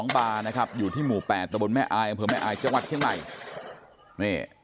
๒๑๒บาลนะครับอยู่ที่หมู่แปดตะบนแม่อายเมืองแม่อายจังหวัดเชียงใหม่